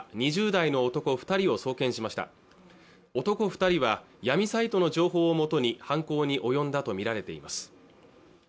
二人は闇サイトの情報をもとに犯行に及んだと見られています